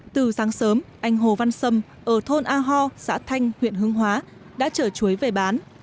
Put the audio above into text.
từ sáng sớm anh hồ văn sâm ở thôn a hò xã thanh huyện hương hóa đã chở chuối về bán